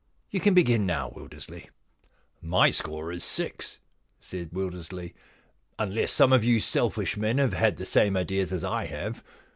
You can begin now, Wildersley.* * My score is six,' said Wildersley, * unless some of you selfish men have had the same ideas as I have.